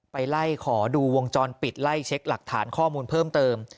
ไปไล่ขอดูวงจรปิดไล่เช็คหลักฐานข้อมูลเพิ่มเติม